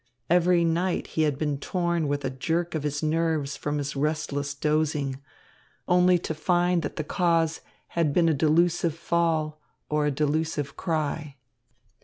Every night he had been torn with a jerk of his nerves from his restless dozing, only to find that the cause had been a delusive fall or a delusive cry.